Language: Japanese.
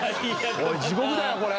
おい地獄だよこれ。